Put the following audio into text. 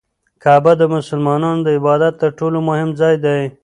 کعبه د مسلمانانو د عبادت تر ټولو مهم ځای دی.